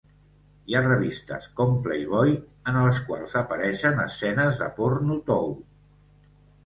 Hi ha revistes com Playboy, en les quals apareixen escenes de porno tou.